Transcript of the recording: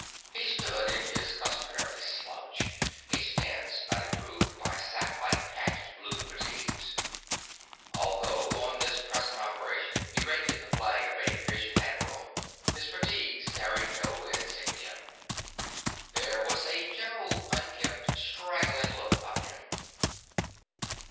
He stood in his customary slouch, a stance not improved by sacklike patched blue fatigues. Although on this present operation he rated the flag of a division admiral, his fatigues carried no insignia. There was a general unkempt, straggling look about him.